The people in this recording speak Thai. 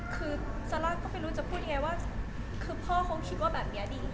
คือซาร่าก็ไม่รู้จะพูดยังไงว่าคือพ่อคงคิดว่าแบบนี้ดี